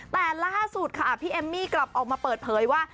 แต่ล่าสุดค่ะพี่เอมมี่กลับออกมาเปิดเผยว่า